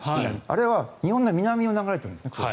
あれは日本の南を流れてるんですね。